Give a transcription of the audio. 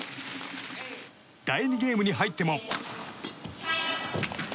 第２ゲームに入っても。